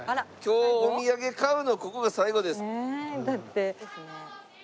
今日お土産買うのここが最後です。